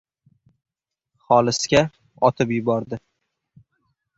Xolisga otib yubordi.